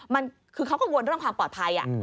มันคือเขากังวลเรื่องความปลอดภัย